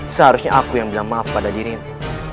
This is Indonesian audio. seharusnya aku yang bilang maaf pada dirimu